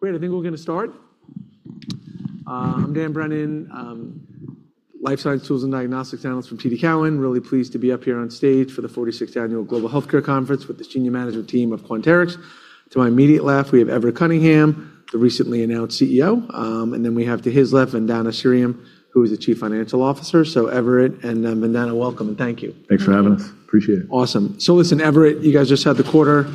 Great. I think we're gonna start. I'm Dan Brennan, Life Science Tools and diagnostics analyst from TD Cowen. Really pleased to be up here on stage for the 46th annual Global Healthcare Conference with the senior management team of Quanterix. To my immediate left, we have Everett Cunningham, the recently announced CEO. We have to his left, Vandana Sriram, who is the Chief Financial Officer. Everett and Vandana, welcome and thank you. Thanks for having us. Appreciate it. Awesome. Listen, Everett, you guys just had the quarter,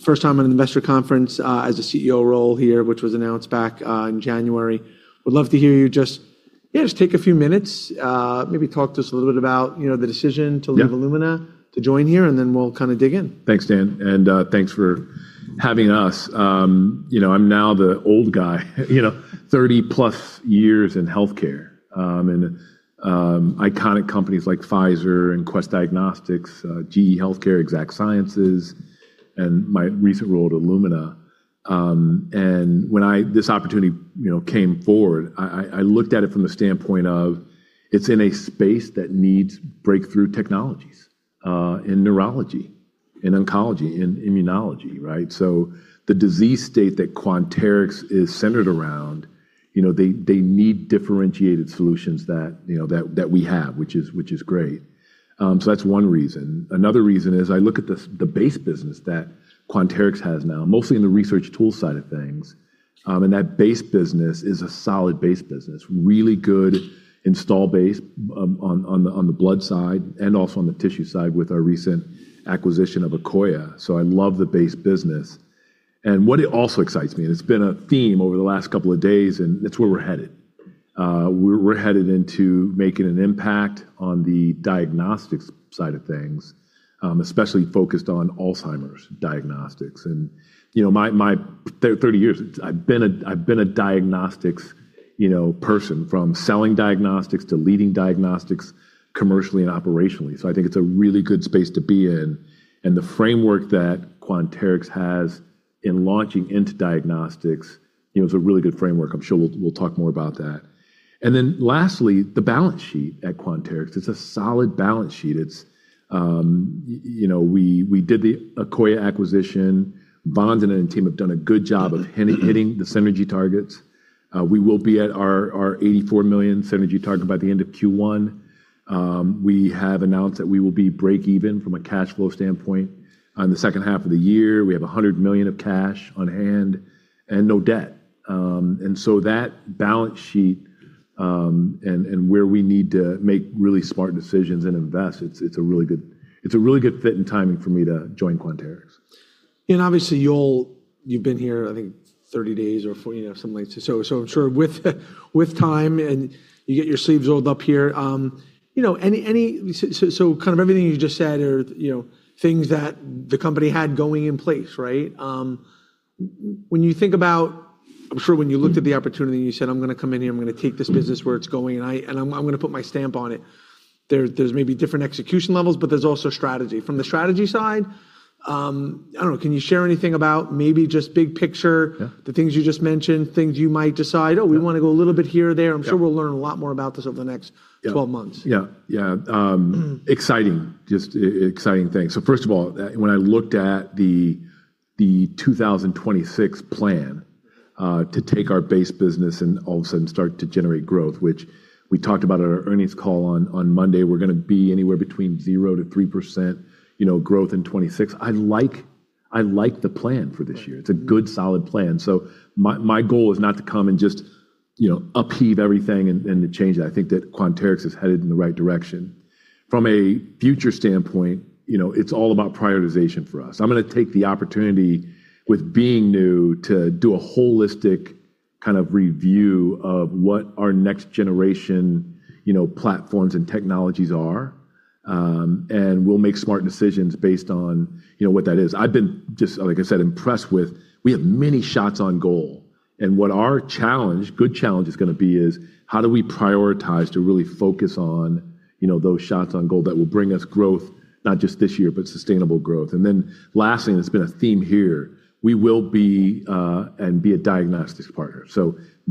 first time at an investor conference, as a CEO role here, which was announced back in January. Would love to hear you just, yeah, just take a few minutes, maybe talk to us a little bit about, you know, the decision to leave- Yeah Illumina to join here, and then we'll kinda dig in. Thanks, Dan, thanks for having us. You know, I'm now the old guy, you know, 30+years in healthcare, and iconic companies like Pfizer and Quest Diagnostics, GE HealthCare, Exact Sciences, and my recent role at Illumina. When this opportunity, you know, came forward, I looked at it from the standpoint of it's in a space that needs breakthrough technologies, in neurology, in oncology, in immunology, right? The disease state that Quanterix is centered around, you know, they need differentiated solutions that, you know, that we have, which is great. That's one reason. Another reason is I look at the base business that Quanterix has now, mostly in the research tool side of things, and that base business is a solid base business. Really good install base on the blood side and also on the tissue side with our recent acquisition of Akoya. I love the base business. What also excites me, and it's been a theme over the last couple of days, and it's where we're headed. We're headed into making an impact on the diagnostics side of things, especially focused on Alzheimer's diagnostics. You know, my 30 years, I've been a diagnostics, you know, person from selling diagnostics to leading diagnostics commercially and operationally. I think it's a really good space to be in. The framework that Quanterix has in launching into diagnostics, you know, is a really good framework. I'm sure we'll talk more about that. Lastly, the balance sheet at Quanterix. It's a solid balance sheet. It's, you know, we did the Akoya acquisition. Vandana and team have done a good job of hitting the synergy targets. We will be at our $84 million synergy target by the end of Q1. We have announced that we will be breakeven from a cash flow standpoint on the second half of the year. We have $100 million of cash on hand and no debt. That balance sheet, and where we need to make really smart decisions and invest, it's a really good fit and timing for me to join Quanterix. Obviously you've been here, I think 30 days or you know, something like. I'm sure with time and you get your sleeves rolled up here, you know, so kind of everything you just said are, you know, things that the company had going in place, right? When you think about, I'm sure when you looked at the opportunity and you said, "I'm gonna come in here, I'm gonna take this business where it's going, and I'm gonna put my stamp on it," there's maybe different execution levels, but there's also strategy. From the strategy side, I don't know, can you share anything about maybe just big picture? Yeah The things you just mentioned, things you might decide. Yeah Oh, we wanna go a little bit here or there. Yeah. I'm sure we'll learn a lot more about this over the next- Yeah 12 months. Yeah. Yeah. exciting, just exciting things. First of all, when I looked at the 2026 plan, to take our base business and all of a sudden start to generate growth, which we talked about at our earnings call on Monday, we're gonna be anywhere between 0%-3%, you know, growth in 2026. I like the plan for this year. Right. It's a good solid plan. My, my goal is not to come and just, you know, upheave everything and to change that. I think that Quanterix is headed in the right direction. From a future standpoint, you know, it's all about prioritization for us. I'm gonna take the opportunity with being new to do a holistic kind of review of what our next generation, you know, platforms and technologies are, and we'll make smart decisions based on, you know, what that is. I've been just, like I said, impressed with we have many shots on goal, and what our challenge, good challenge is gonna be is, how do we prioritize to really focus on, you know, those shots on goal that will bring us growth not just this year, but sustainable growth? Last thing that's been a theme here, we will be and be a diagnostics partner.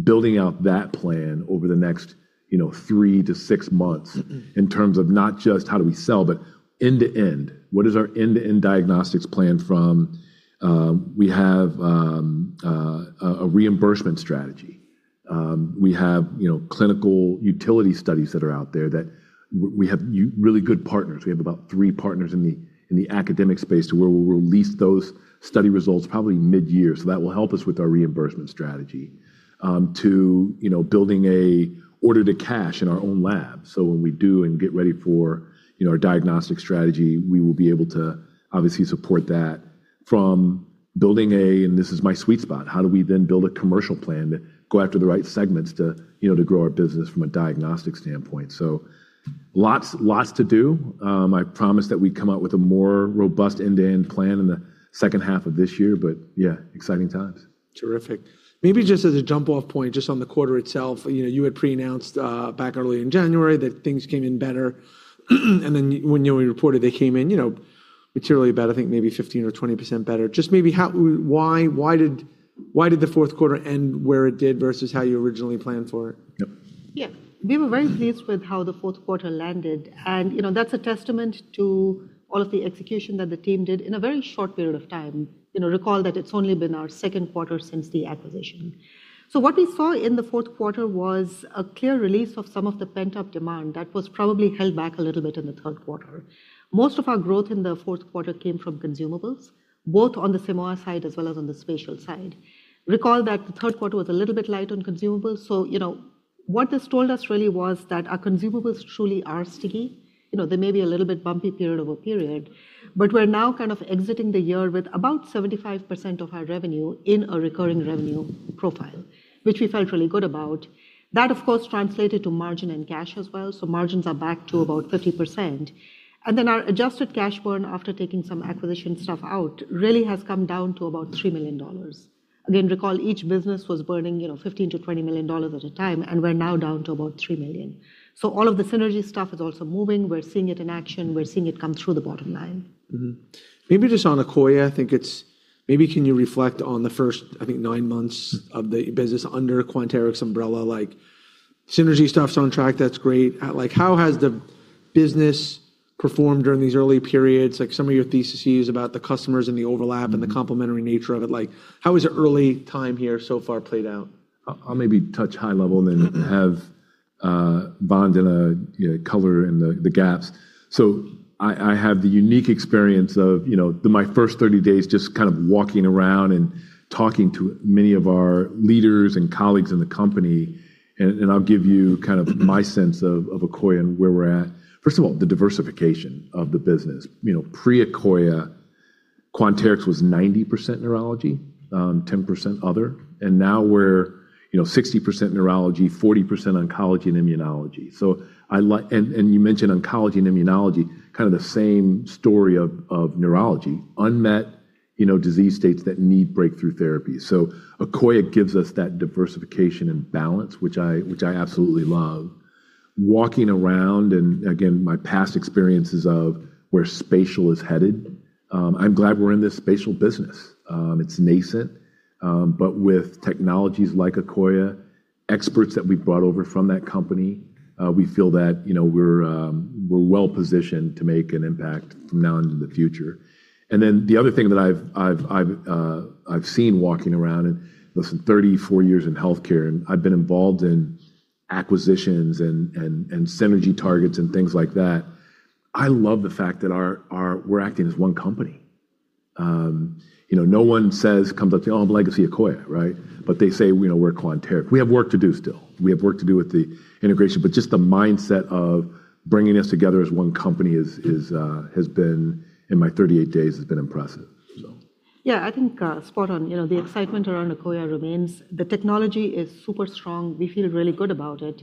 Building out that plan over the next, you know, 3-6 months. Mm-hmm In terms of not just how do we sell, but end-to-end. What is our end-to-end diagnostics plan from, we have a reimbursement strategy. We have, you know, clinical utility studies that are out there that we have really good partners. We have about three partners in the academic space to where we'll release those study results probably mid-year, so that will help us with our reimbursement strategy, to, you know, building an Order-to-Cash in our own lab. When we do and get ready for, you know, our diagnostic strategy, we will be able to obviously support that from building a— and this is my sweet spot, how do we then build a commercial plan to go after the right segments to, you know, to grow our business from a diagnostic standpoint? Lots, lots to do. I promise that we come out with a more robust end-to-end plan in the second half of this year, but yeah, exciting times. Terrific. Maybe just as a jump-off point, just on the quarter itself, you know, you had pre-announced, back early in January that things came in better and then when you reported they came in, you know, materially better, I think maybe 15% or 20% better. Just maybe why did the fourth quarter end where it did versus how you originally planned for it? Yep. Yeah. We were very pleased with how the fourth quarter landed, you know, that's a testament to all of the execution that the team did in a very short period of time. You know, recall that it's only been our second quarter since the acquisition. What we saw in the fourth quarter was a clear release of some of the pent-up demand that was probably held back a little bit in the third quarter. Most of our growth in the fourth quarter came from consumables, both on the Simoa side as well as on the Spatial side. Recall that the third quarter was a little bit light on consumables, you know, what this told us really was that our consumables truly are sticky. You know, they may be a little bit bumpy period-over-period, but we're now kind of exiting the year with about 75% of our revenue in a recurring revenue profile, which we felt really good about. That, of course, translated to margin and cash as well, so margins are back to about 30%. Our adjusted cash burn after taking some acquisition stuff out really has come down to about $3 million. Again, recall each business was burning, you know, $15 million-$20 million at a time, and we're now down to about $3 million. All of the synergy stuff is also moving. We're seeing it in action. We're seeing it come through the bottom line. Maybe just on Akoya, maybe can you reflect on the first, I think, nine months of the business under Quanterix umbrella? Like, synergy stuff's on track, that's great. Like, how has the business performed during these early periods? Like, some of your theses about the customers and the overlap and the complementary nature of it. Like, how has the early time here so far played out? I'll maybe touch high level and then have Vandana, you know, cover in the gaps. I have the unique experience of, you know, my first 30 days just kind of walking around and talking to many of our leaders and colleagues in the company, and I'll give you kind of my sense of Akoya and where we're at. First of all, the diversification of the business. You know, pre-Akoya, Quanterix was 90% neurology, 10% other, now we're, you know, 60% neurology, 40% oncology and immunology. And you mentioned oncology and immunology, kind of the same story of neurology. Unmet, you know, disease states that need breakthrough therapy. Akoya gives us that diversification and balance, which I absolutely love. Walking around, again, my past experiences of where Spatial is headed, I'm glad we're in this Spatial business. It's nascent, but with technologies like Akoya, experts that we've brought over from that company, we feel that, you know, we're well-positioned to make an impact from now into the future. The other thing that I've seen walking around, and listen, 34 years in healthcare, and I've been involved in acquisitions and synergy targets and things like that. I love the fact that our we're acting as one company. You know, no one comes up to, "Oh, I'm legacy Akoya," right? They say, you know, "We're Quanterix." We have work to do still. We have work to do with the integration, but just the mindset of bringing us together as one company is, has been, in my 38 days, has been impressive, so. Yeah, I think, spot on. The excitement around Akoya remains. The technology is super strong. We feel really good about it.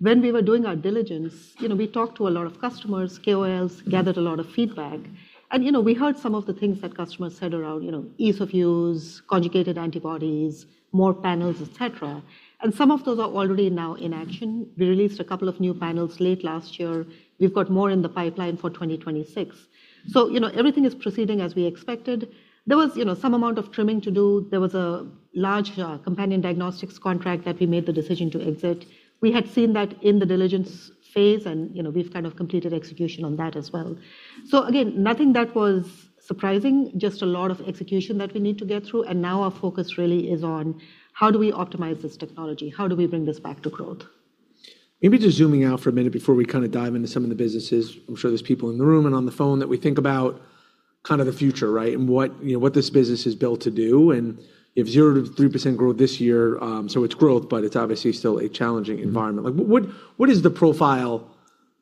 When we were doing our diligence, you know, we talked to a lot of customers, KOLs, gathered a lot of feedback and, you know, we heard some of the things that customers said around, you know, ease of use, conjugated antibodies, more panels, et cetera, and some of those are already now in action. We released a couple of new panels late last year. We've got more in the pipeline for 2026. Everything is proceeding as we expected. There was, you know, some amount of trimming to do. There was a large, companion diagnostics contract that we made the decision to exit. We had seen that in the diligence phase and, you know, we've kind of completed execution on that as well. Again, nothing that was surprising, just a lot of execution that we need to get through. Now our focus really is on how do we optimize this technology? How do we bring this back to growth? Maybe just zooming out for a minute before we kind of dive into some of the businesses. I'm sure there's people in the room and on the phone that we think about kind of the future, right? What, you know, what this business is built to do, and you have 0% to 3% growth this year, so it's growth, but it's obviously still a challenging environment. Like, what is the profile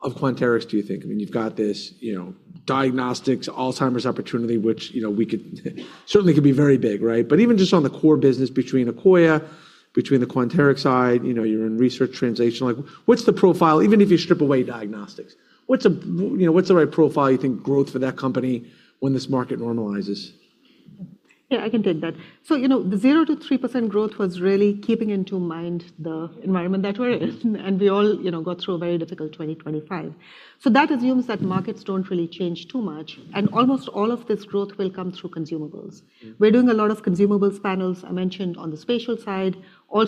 of Quanterix, do you think? I mean, you've got this, you know, diagnostics, Alzheimer's opportunity, which, you know, we certainly could be very big, right? Even just on the core business between Akoya, between the Quanterix side, you know, you're in research translation. Like, what's the profile, even if you strip away diagnostics, you know, what's the right profile you think growth for that company when this market normalizes? Yeah, I can take that. You know, the 0% to 3% growth was really keeping into mind the environment that we're in, and we all, you know, got through a very difficult 2025. That assumes that markets don't really change too much, and almost all of this growth will come through consumables. We're doing a lot of consumables panels, I mentioned on the spatial side. On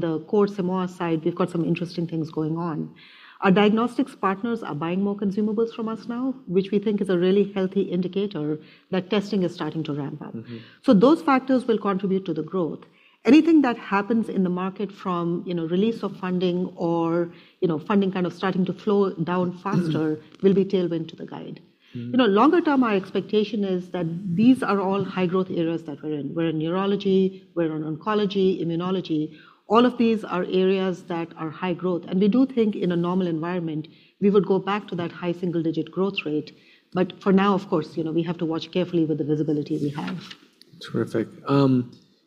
the core Simoa side, we've got some interesting things going on. Our diagnostics partners are buying more consumables from us now, which we think is a really healthy indicator that testing is starting to ramp up. Mm-hmm. Those factors will contribute to the growth. Anything that happens in the market from, you know, release of funding or, you know, funding kind of starting to flow down faster will be tailwind to the guide. You know, longer term, our expectation is that these are all high growth areas that we're in. We're in neurology, we're in oncology, immunology. All of these are areas that are high growth. We do think in a normal environment, we would go back to that high single-digit growth rate. For now, of course, you know, we have to watch carefully with the visibility we have. Terrific.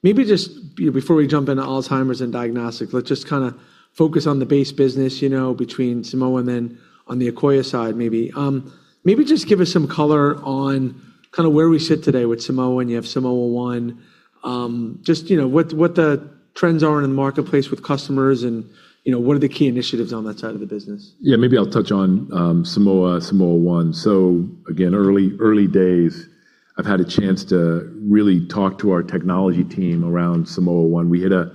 Maybe just before we jump into Alzheimer's and diagnostics, let's just kinda focus on the base business, you know, between Simoa and then on the Akoya side maybe. Maybe just give us some color on kinda where we sit today with Simoa, and you have Simoa HD-1. Just, you know, what the trends are in the marketplace with customers and, you know, what are the key initiatives on that side of the business? Yeah, maybe I'll touch on Simoa, Simoa Hd-1. Again, early days. I've had a chance to really talk to our technology team around Simoa HD-1. We hit a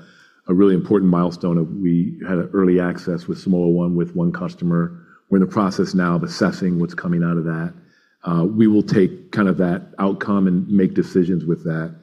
really important milestone of we had early access with Simoa HD-1 with one customer. We're in the process now of assessing what's coming out of that. We will take kind of that outcome and make decisions with that.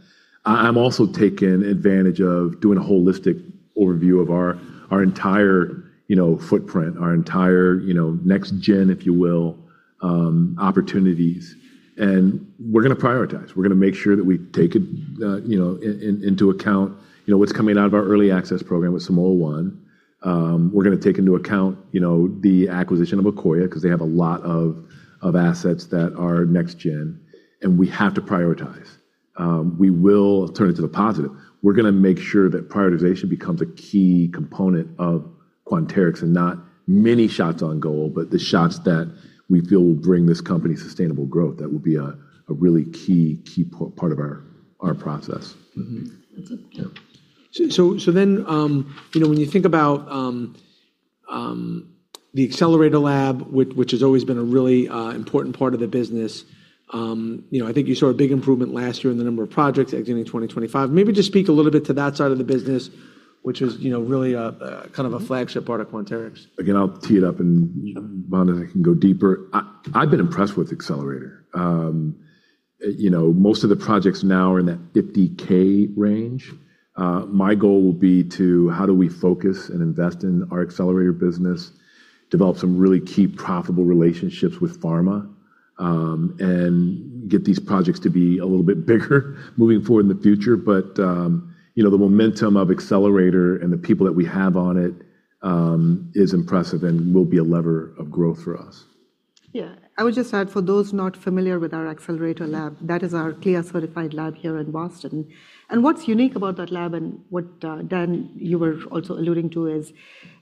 I'm also taking advantage of doing a holistic overview of our entire, you know, footprint, our entire, you know, next gen, if you will, opportunities. We're gonna prioritize. We're gonna make sure that we take it, you know, into account, you know, what's coming out of our early access program with Simoa HD-1. We're gonna take into account, you know, the acquisition of Akoya cause they have a lot of assets that are next gen, and we have to prioritize. We will turn it to the positive. We're gonna make sure that prioritization becomes a key component of Quanterix and not many shots on goal, but the shots that we feel will bring this company sustainable growth. That will be a really key part of our process. Mm-hmm. That's it. Yeah. You know, when you think about the Accelerator Lab, which has always been a really important part of the business, you know, I think you saw a big improvement last year in the number of projects exiting 2025. Maybe just speak a little bit to that side of the business, which is, you know, really a kind of a flagship part of Quanterix. I'll tee it up. Vandana can go deeper. I've been impressed with Accelerator. you know, most of the projects now are in that 50K range. My goal will be to how do we focus and invest in our Accelerator business, develop some really key profitable relationships with pharma, and get these projects to be a little bit bigger moving forward in the future. you know, the momentum of Accelerator and the people that we have on it is impressive and will be a lever of growth for us. Yeah. I would just add for those not familiar with our Accelerator Lab, that is our CLIA-certified lab here in Boston. What's unique about that lab and what, Dan, you were also alluding to is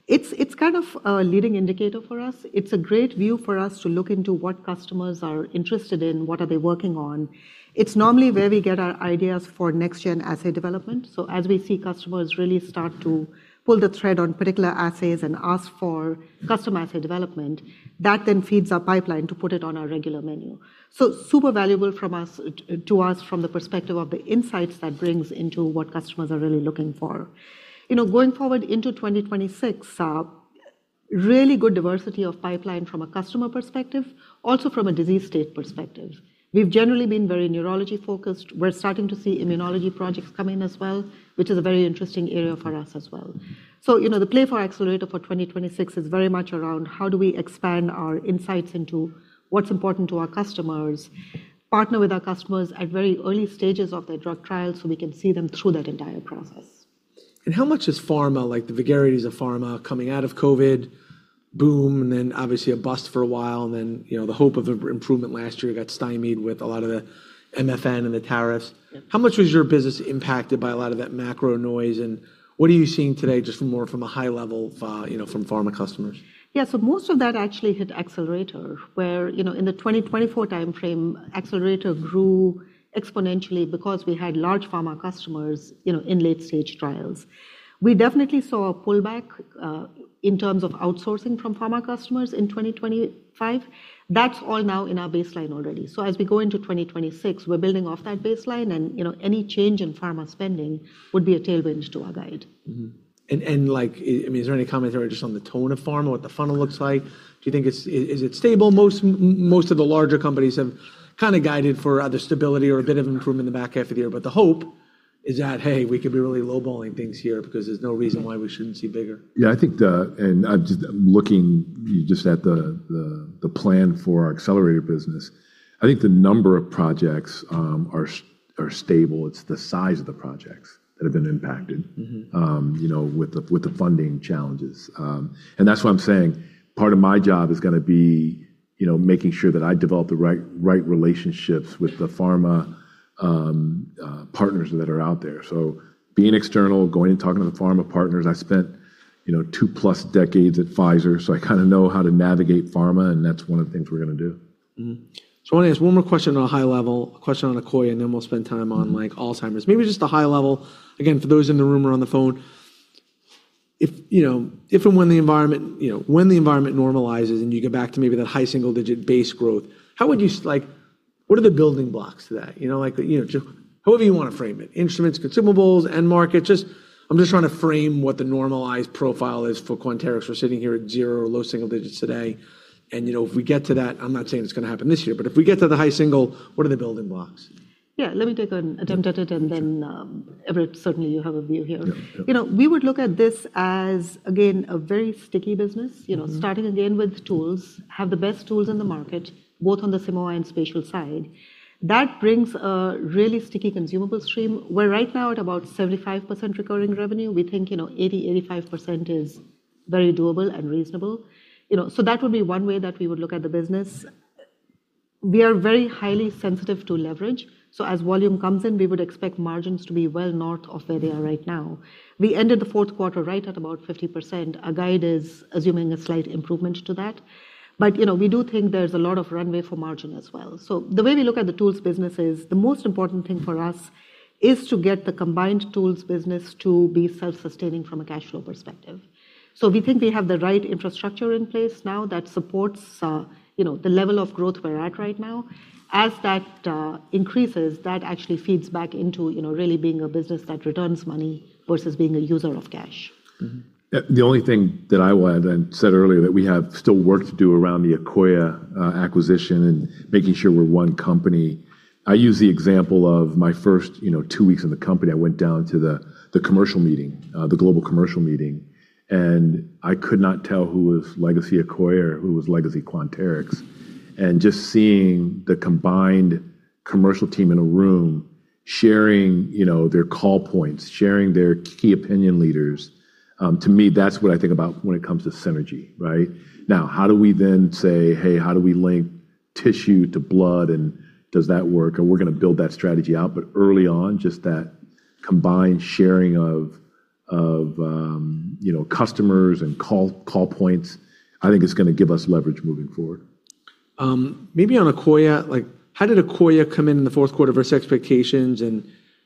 it's kind of a leading indicator for us. It's a great view for us to look into what customers are interested in, what are they working on. It's normally where we get our ideas for next gen assay development. As we see customers really start to pull the thread on particular assays and ask for custom assay development, that then feeds our pipeline to put it on our regular menu. Super valuable to us from the perspective of the insights that brings into what customers are really looking for. You know, going forward into 2026, really good diversity of pipeline from a customer perspective, also from a disease state perspective. We've generally been very neurology-focused. We're starting to see immunology projects come in as well, which is a very interesting area for us as well. You know, the play for Accelerator for 2026 is very much around how do we expand our insights into what's important to our customers, partner with our customers at very early stages of their drug trials, so we can see them through that entire process. How much is pharma, like the vagaries of pharma coming out of COVID boom and then obviously a bust for a while, and then, you know, the hope of improvement last year got stymied with a lot of the MFN and the tariffs. Yeah. How much was your business impacted by a lot of that macro noise, and what are you seeing today just from more from a high level of, you know, from pharma customers? Yeah. Most of that actually hit Accelerator, where, you know, in the 2024 timeframe, Accelerator grew exponentially because we had large pharma customers, you know, in late-stage trials. We definitely saw a pullback in terms of outsourcing from pharma customers in 2025. That's all now in our baseline already. As we go into 2026, we're building off that baseline and, you know, any change in pharma spending would be a tailwind to our guide. Like, is there any commentary just on the tone of pharma, what the funnel looks like? Do you think it's stable? Most of the larger companies have kinda guided for either stability or a bit of improvement in the back half of the year, the hope is that, hey, we could be really low-balling things here because there's no reason why we shouldn't see bigger. I'm just, I'm looking just at the plan for our Accelerator business. I think the number of projects are stable. It's the size of the projects that have been impacted. Mm-hmm. You know, with the, with the funding challenges. That's why I'm saying part of my job is gonna be, you know, making sure that I develop the right relationships with the pharma partners that are out there. Being external, going and talking to the pharma partners, I spent, you know, 2+ decades at Pfizer, so I kinda know how to navigate pharma, that's one of the things we're gonna do. I wanna ask one more question on a high level, a question on Akoya, and then we'll spend time on, like, Alzheimer's. Maybe just a high level, again, for those in the room or on the phone. If, you know, if and when the environment, you know, when the environment normalizes and you get back to maybe that high single-digit base growth, how would you like, what are the building blocks to that? You know, like, you know, however you wanna frame it, instruments, consumables, end markets. I'm just trying to frame what the normalized profile is for Quanterix. We're sitting here at 0 or low single digits today, and, you know, if we get to that, I'm not saying it's gonna happen this year, but if we get to the high single, what are the building blocks? Yeah. Let me take an attempt at it, and then, Everett, certainly you have a view here. Yeah. Yeah. You know, we would look at this as, again, a very sticky business. Mm-hmm. Starting again with tools, have the best tools in the market, both on the Simoa and Spatial side. That brings a really sticky consumable stream. We're right now at about 75% recurring revenue. We think, you know, 80%-85% is very doable and reasonable. That would be one way that we would look at the business. We are very highly sensitive to leverage. As volume comes in, we would expect margins to be well north of where they are right now. We ended the fourth quarter right at about 50%. Our guide is assuming a slight improvement to that. We do think there's a lot of runway for margin as well. The way we look at the tools business is the most important thing for us is to get the combined tools business to be self-sustaining from a cash flow perspective. We think we have the right infrastructure in place now that supports, you know, the level of growth we're at right now. As that increases, that actually feeds back into, you know, really being a business that returns money versus being a user of cash. The only thing that I will add and said earlier that we have still work to do around the Akoya acquisition and making sure we're one company. I use the example of my first, you know, two weeks in the company, I went down to the commercial meeting, the global commercial meeting, and I could not tell who was legacy Akoya or who was legacy Quanterix. Just seeing the combined commercial team in a room sharing, you know, their call points, sharing their Key Opinion Leaders, to me, that's what I think about when it comes to synergy, right? How do we then say, "Hey, how do we link tissue to blood, and does that work?" We're gonna build that strategy out, but early on, just that combined sharing of, you know, customers and call points, I think is gonna give us leverage moving forward. Maybe on Akoya, how did Akoya come in in the fourth quarter versus expectations?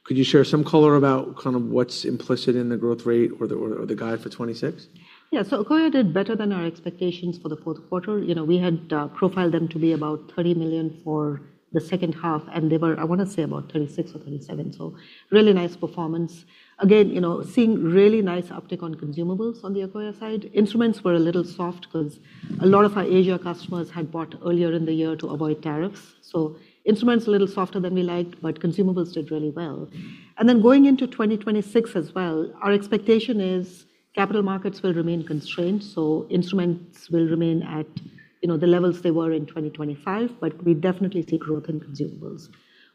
Could you share some color about what's implicit in the growth rate or the guide for 2026? Yeah. Akoya did better than our expectations for the fourth quarter. You know, we had profiled them to be about $30 million for the second half, and they were, I wanna say about $36 or $37. Really nice performance. Again, you know, seeing really nice uptick on consumables on the Akoya side. Instruments were a little soft 'cause a lot of our Asia customers had bought earlier in the year to avoid tariffs. Instruments a little softer than we liked, but consumables did really well. Going into 2026 as well, our expectation is capital markets will remain constrained, so instruments will remain at, you know, the levels they were in 2025, but we definitely see growth in consumables.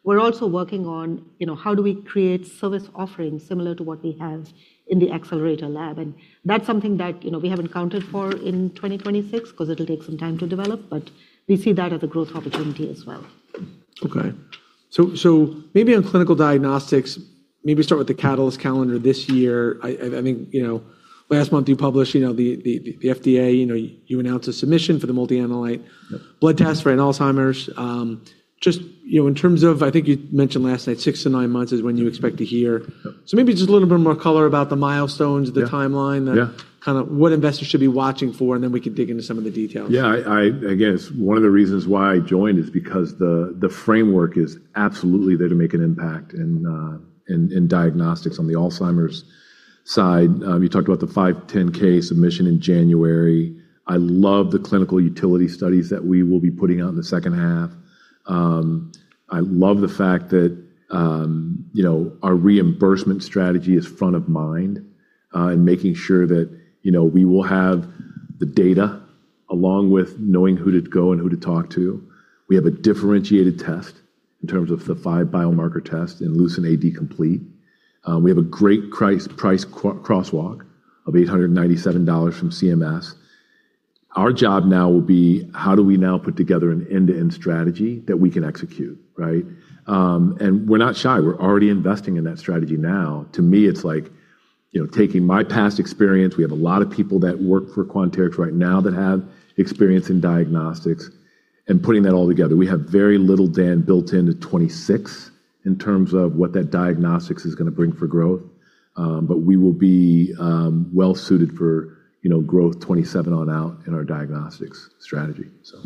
We're also working on, you know, how do we create service offerings similar to what we have in the Accelerator Lab? That's something that, you know, we haven't counted for in 2026 'cause it'll take some time to develop, but we see that as a growth opportunity as well. Maybe on clinical diagnostics, maybe start with the catalyst calendar this year. I think, you know, last month you published, you know, the FDA, you know, you announced a submission for the multi-analyte blood test for an Alzheimer's. Just, you know, in terms of, I think you mentioned last night, 6 to 9 months is when you expect to hear. Yep. Maybe just a little bit more color about the milestones. Yeah. The timeline. Yeah. Kinda what investors should be watching for, and then we can dig into some of the details. I again, it's one of the reasons why I joined is because the framework is absolutely there to make an impact in diagnostics on the Alzheimer's side. You talked about the 510(k) submission in January. I love the clinical utility studies that we will be putting out in the second half. I love the fact that, you know, our reimbursement strategy is front of mind in making sure that, you know, we will have the data along with knowing who to go and who to talk to. We have a differentiated test in terms of the 5 biomarker test in LucentAD Complete. We have a great price crosswalk of $897 from CMS. Our job now will be how do we now put together an end-to-end strategy that we can execute, right? We're not shy. We're already investing in that strategy now. To me, it's like, you know, taking my past experience, we have a lot of people that work for Quanterix right now that have experience in diagnostics and putting that all together. We have very little, Dan, built into 2026 in terms of what that diagnostics is gonna bring for growth. We will be, well suited for, you know, growth 2027 on out in our diagnostics strategy, so.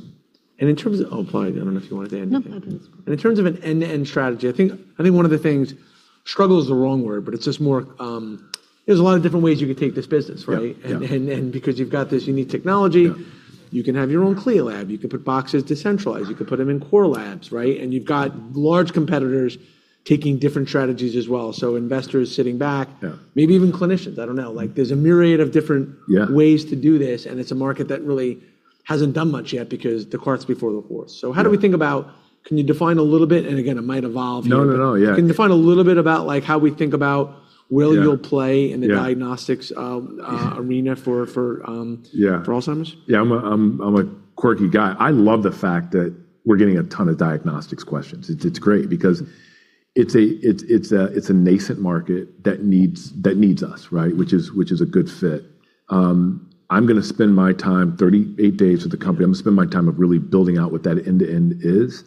Oh, pardon me], I don't know if you wanted to add anything. No. In terms of an end-to-end strategy, I think one of the things, struggle is the wrong word, but it's just more, there's a lot of different ways you could take this business, right? Yeah. Yeah. Because you've got this unique technology. Yeah. You can have your own CLIA lab, you could put boxes to centralize, you could put them in core labs, right? You've got large competitors taking different strategies as well. Investors sitting back. Yeah. -maybe even clinicians, I don't know. Like there's a myriad of different- Yeah. -ways to do this, it's a market that really hasn't done much yet because the cart's before the horse. Yeah. Can you define a little bit, and again, it might evolve here? No, no. Yeah. Can you define a little bit about like how we think about. Yeah. you'll play in the. Yeah. diagnostics. Yeah. a mean for Yeah. for Alzheimer's? Yeah. I'm a quirky guy. I love the fact that we're getting a ton of diagnostics questions. It's great because it's a nascent market that needs us, right? Which is a good fit. I'm gonna spend my time, 38 days with the company, I'm gonna spend my time of really building out what that end-to-end is.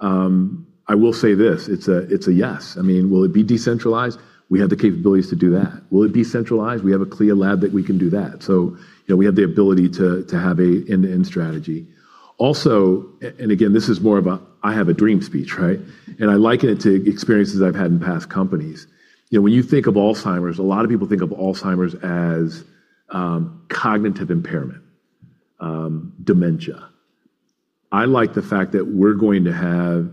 I will say this, it's a yes. I mean, will it be decentralized? We have the capabilities to do that. Will it be centralized? We have a CLIA lab that we can do that. You know, we have the ability to have an end-to-end strategy. Also, and again, this is more of a, I have a dream speech, right? I liken it to experiences I've had in past companies. You know, when you think of Alzheimer's, a lot of people think of Alzheimer's as cognitive impairment, dementia. I like the fact that we're going to have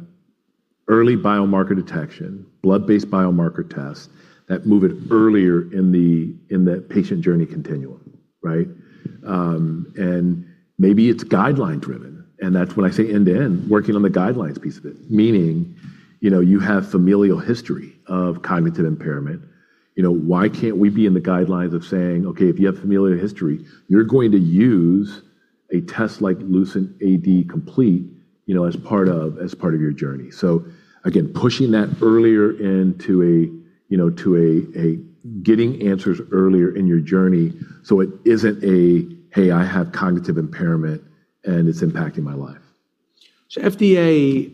early biomarker detection, blood-based biomarker tests that move it earlier in the, in the patient journey continuum, right? Maybe it's guideline driven, and that's when I say end-to-end, working on the guidelines piece of it, meaning, you know, you have familial history of cognitive impairment. You know, why can't we be in the guidelines of saying, "Okay, if you have familial history, you're going to use a test like LucentAD Complete, you know, as part of your journey. Pushing that earlier into a, you know, to a getting answers earlier in your journey so it isn't a, "Hey, I have cognitive impairment and it's impacting my life. FDA,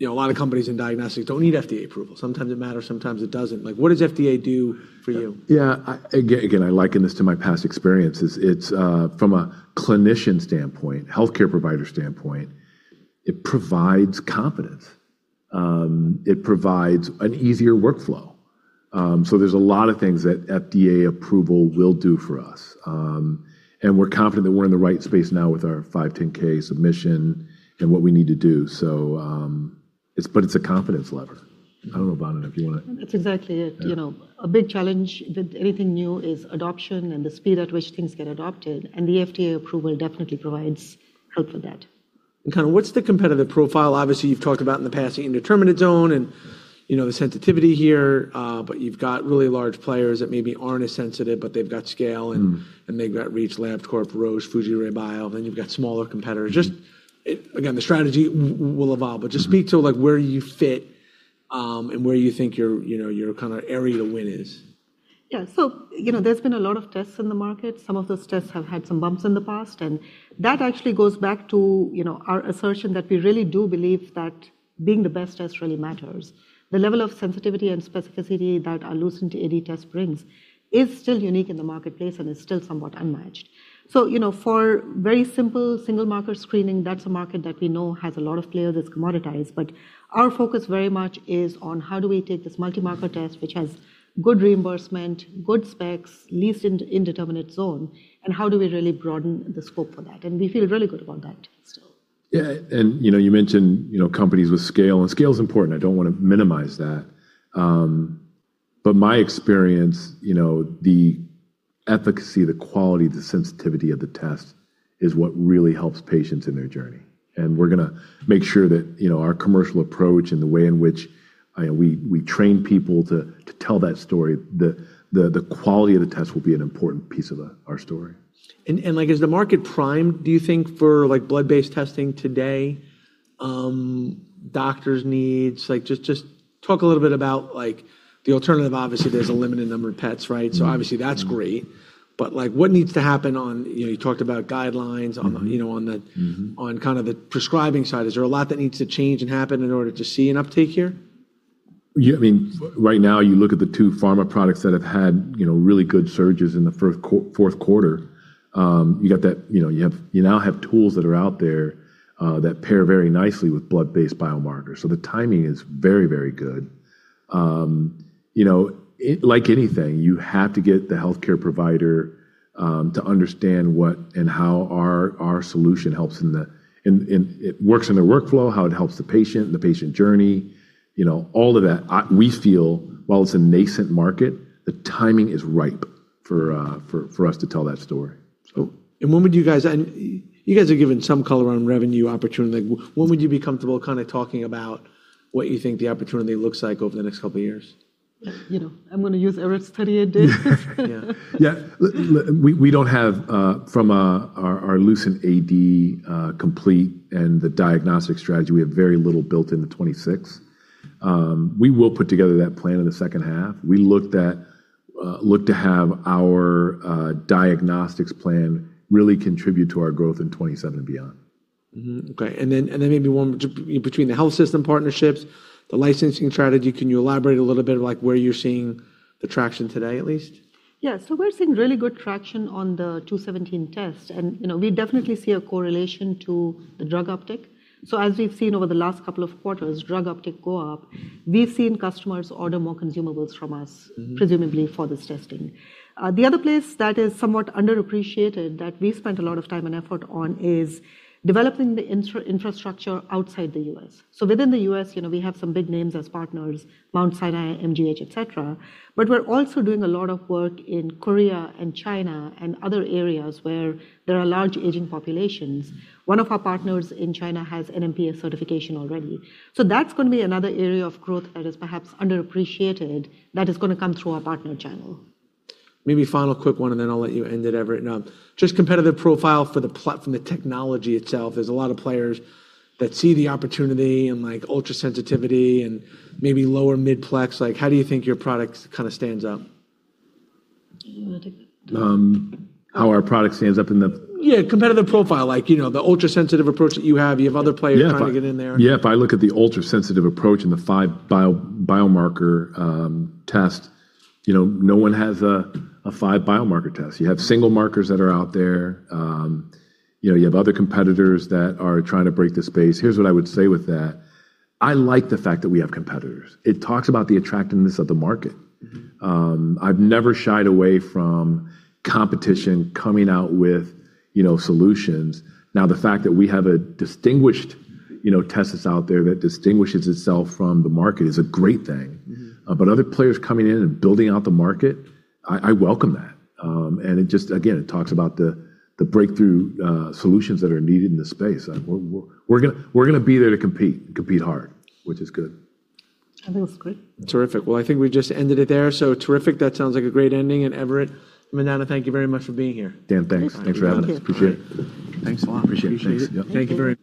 you know a lot of companies in diagnostics don't need FDA approval. Sometimes it matters, sometimes it doesn't. Like, what does FDA do for you? Yeah. Again, I liken this to my past experiences. It's from a clinician standpoint, healthcare provider standpoint, it provides confidence. It provides an easier workflow. There's a lot of things that FDA approval will do for us. We're confident that we're in the right space now with our 510(k) submission and what we need to do. But it's a confidence lever. I don't know, Vandana, if you wanna- That's exactly it. You know, a big challenge with anything new is adoption and the speed at which things get adopted. The FDA approval definitely provides help with that. What's the competitive profile? Obviously, you've talked about in the past the indeterminate zone and, you know, the sensitivity here, but you've got really large players that maybe aren't as sensitive, but they've got scale. Mm. They've got reach. Labcorp, Roche, Fujirebio, then you've got smaller competitors. Just Again, the strategy will evolve. Just speak to, like, where you fit, and where you think your, you know, your kinda area to win is. Yeah. You know, there's been a lot of tests in the market. Some of those tests have had some bumps in the past, and that actually goes back to, you know, our assertion that we really do believe that being the best test really matters. The level of sensitivity and specificity that our LucentAD test brings is still unique in the marketplace and is still somewhat unmatched. You know, for very simple single marker screening, that's a market that we know has a lot of players, it's commoditized. Our focus very much is on how do we take this multi-marker test, which has good reimbursement, good specs, least indeterminate zone, and how do we really broaden the scope for that? We feel really good about that still. Yeah. You know, you mentioned, you know, companies with scale, and scale is important. I don't wanna minimize that. But my experience, you know, the efficacy, the quality, the sensitivity of the test is what really helps patients in their journey. We're gonna make sure that, you know, our commercial approach and the way in which we train people to tell that story, the quality of the test will be an important piece of our story. Like is the market primed, do you think, for like blood-based testing today, doctors' needs, like just talk a little bit about like the alternative. Obviously, there's a limited number of PETs, right? Mm-hmm. Obviously that's great. Like what needs to happen on. You know, you talked about guidelines. Mm-hmm. you know. Mm-hmm. On kind of the prescribing side. Is there a lot that needs to change and happen in order to see an uptake here? I mean, right now you look at the two pharma products that have had, you know, really good surges in the fourth quarter. You know, you now have tools that are out there that pair very nicely with blood-based biomarkers, the timing is very, very good. You know, like anything, you have to get the healthcare provider to understand what and how our solution helps it works in their workflow, how it helps the patient, the patient journey, you know, all of that. We feel while it's a nascent market, the timing is ripe for us to tell that story. Cool. You guys are giving some color on revenue opportunity. Like when would you be comfortable kinda talking about what you think the opportunity looks like over the next couple years? You know, I'm gonna use Everett's 38 days. Yeah. Yeah. We don't have, from our LucentAD Complete and the diagnostic strategy, we have very little built in the 2026. We will put together that plan in the second half. We look to have our diagnostics plan really contribute to our growth in 2027 and beyond. Mm-hmm. Okay. Then maybe one between the health system partnerships, the licensing strategy, can you elaborate a little bit, like, where you're seeing the traction today at least? Yeah. We're seeing really good traction on the p-Tau 217 test. You know, we definitely see a correlation to the drug uptick. As we've seen over the last couple of quarters, drug uptick go up, we've seen customers order more consumables from us presumably for this testing. The other place that is somewhat underappreciated that we spent a lot of time and effort on is developing the infrastructure outside the U.S. Within the U.S., you know, we have some big names as partners, Mount Sinai, MGH, et cetera. We're also doing a lot of work in Korea and China and other areas where there are large aging populations. One of our partners in China has NMPA certification already. That's gonna be another area of growth that is perhaps underappreciated that is gonna come through our partner channel. Maybe final quick one, and then I'll let you end it, Everett. Just competitive profile for the from the technology itself. There's a lot of players that see the opportunity and, like, ultra-sensitivity and maybe lower mid plex. Like, how do you think your product kinda stands out? You wanna take that? How our product stands up in the- Yeah, competitive profile. Like, you know, the ultra-sensitive approach that you have. You have other players. Yeah. trying to get in there. Yeah. If I look at the ultra-sensitive approach and the five biomarker test, you know, no one has a 5-biomarker test. You have single markers that are out there. You know, you have other competitors that are trying to break the space. Here's what I would say with that. I like the fact that we have competitors. It talks about the attractiveness of the market. I've never shied away from competition coming out with, you know, solutions. Now, the fact that we have a distinguished, you know, test that's out there that distinguishes itself from the market is a great thing. Mm-hmm. Other players coming in and building out the market, I welcome that. It just, again, it talks about the breakthrough solutions that are needed in the space. We're gonna be there to compete and compete hard, which is good. I think it's good. Terrific. Well, I think we just ended it there, so terrific. That sounds like a great ending. Everett, Vandana, thank you very much for being here. Dan, thanks. Thanks. Thanks for having us. Thank you. Appreciate it. Thanks a lot. Appreciate it. Appreciate it. Thank you. Thank you very much.